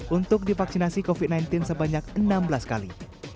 untuk divaksinasi covid sembilan belas sebanyak enam belas kali